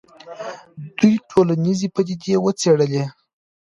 دوی ټولنیزې پدیدې وڅېړلې.